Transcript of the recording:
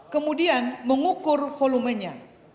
kemudian mengukur volumenya